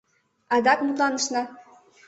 Адак мутланышна.